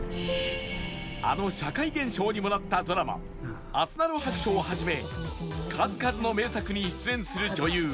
あの社会現象にもなったドラマ『あすなろ白書』をはじめ数々の名作に出演する女優